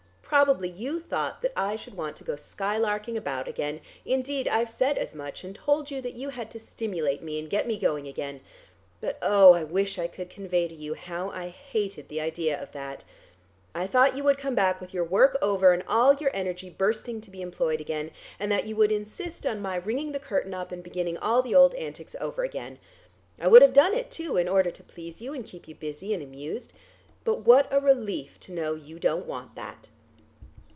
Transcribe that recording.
Probably you thought that I should want to go skylarking about again; indeed, I've said as much, and told you that you had to stimulate me, and get me going again. But oh, I wish I could convey to you how I hated the idea of that. I thought you would come back with your work over, and all your energy bursting to be employed again, and that you would insist on my ringing the curtain up, and beginning all the old antics over again. I would have done it too, in order to please you and keep you busy and amused. But what a relief to know you don't want that!"